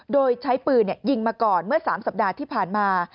โดยใช้ปืนยิงมาก่อนเมื่อ๓สัปดาห์ที่ผ่านมา